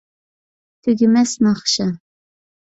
تۈگىمەس ناخشا